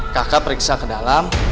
kaka periksa ke dalam